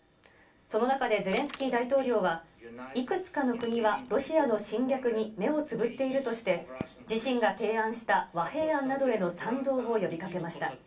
その中でゼレンスキー大統領はいくつかの国はロシアの侵略に目をつぶっているとして自身が提案した和平案などへの賛同を呼びかけました。